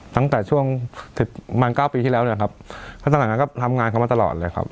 ตั้งแต่ช่วงมาล๙ปีที่แล้วเนี่ยครับถ้าตั้งแต่นั้นก็ทำงานเขามาตลอดเลยครับ